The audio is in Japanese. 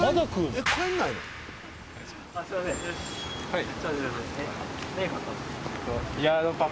はい